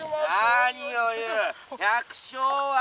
「何を言う百姓は国の宝。